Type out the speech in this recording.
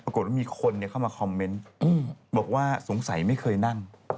ปรากฏว่ามีคนเข้ามาคอมเมนต์บอกว่าสงสัยไม่เคยนั่ง